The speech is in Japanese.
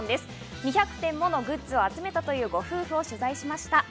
２００点ものグッズを集めたご夫婦を取材しました。